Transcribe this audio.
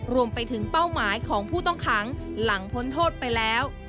รวมไปถึงเป้าหมายของผู้ต้องขังหลังพ้นโทษไปแล้ว